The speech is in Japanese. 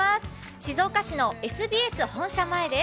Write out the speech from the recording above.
静岡市のＳＢＳ本社前です。